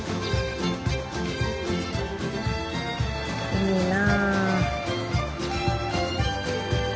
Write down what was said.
いいな。